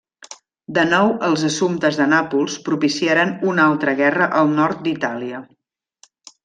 De nou els assumptes de Nàpols propiciaren una altra guerra al nord d'Itàlia.